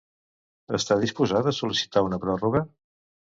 Està disposat a sol·licitar una pròrroga?